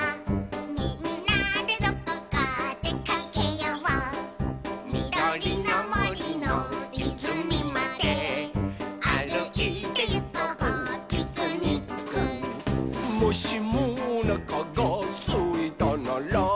「みんなでどこかでかけよう」「みどりのもりのいずみまであるいてゆこうピクニック」「もしもおなかがすいたなら」